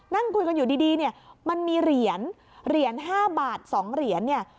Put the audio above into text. นั่งคุยกันอยู่ดีเนี่ยมันมีเหรียญเหรียญ๕บาท๒เหรียญเนี่ย